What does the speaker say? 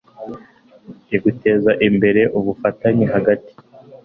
i guteza imbere ubufatanye hagati